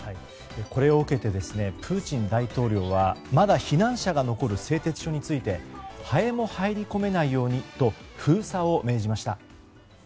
これを受けてプーチン大統領はまだ避難者が残る製鉄所についてハエも入り込めないようにと封鎖を命じました。